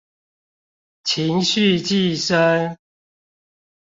情緒寄生